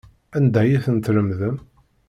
Anda ay ten-tlemdem?